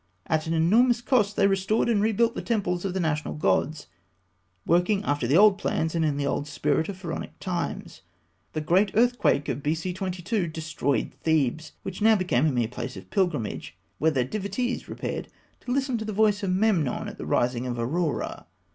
At an enormous cost, they restored and rebuilt the temples of the national gods, working after the old plans and in the old spirit of Pharaonic times. The great earthquake of B.C. 22 had destroyed Thebes, which now became a mere place of pilgrimage, whither devotees repaired to listen to the voice of Memnon at the rising of Aurora.